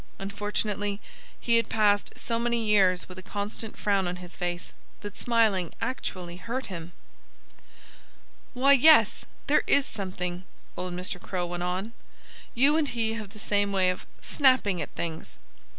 Unfortunately, he had passed so many years with a constant frown on his face that smiling actually hurt him. "Why, yes! There is something else," old Mr. Crow went on. "You and he have the same way of snapping at things."